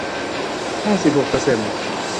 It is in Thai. ห้าสิบหกเปอร์เซนต์